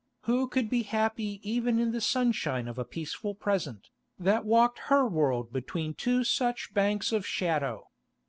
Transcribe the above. Who could be happy even in the sunshine of a peaceful present, that walked her world between two such banks of shadow?